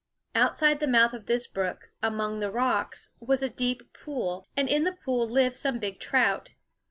Out side the mouth of this brook, among the rocks, was a deep pool ; and in the pool lived some big trout.